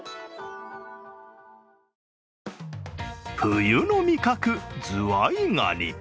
冬の味覚、ズワイガニ。